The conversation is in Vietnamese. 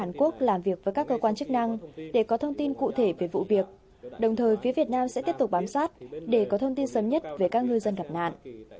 đại sứ quán việt nam sẽ làm việc với các cơ quan chức năng để có thông tin cụ thể về vụ việc đồng thời phía việt nam sẽ tiếp tục bám sát để có thông tin sớm nhất về các ngư dân gặp nạn